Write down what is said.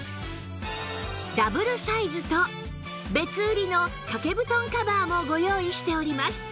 ダブルサイズと別売りの掛け布団カバーもご用意しております